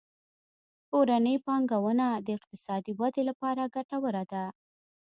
کورنۍ پانګونه د اقتصادي ودې لپاره ګټوره ده.